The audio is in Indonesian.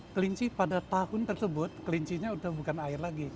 kelinci pada tahun tersebut kelincinya sudah bukan air lagi